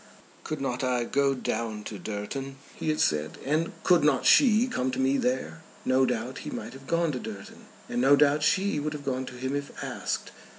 "Could not I go down to Durton," he had said, "and could not she come to me there?" No doubt he might have gone to Durton, and no doubt she would have gone to him if asked.